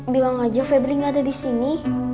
bilang aja febri gak ada disini